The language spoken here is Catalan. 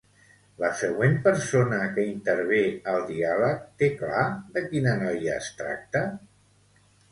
La següent persona que intervé al diàleg, té clar de quina noia es tracta?